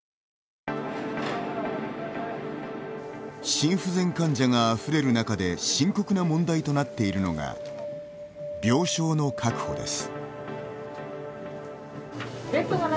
心不全患者があふれる中で深刻な問題となっているのが病床の確保です。